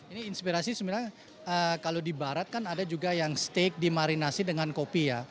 ini inspirasi sebenarnya kalau di barat kan ada juga yang steak dimarinasi dengan kopi ya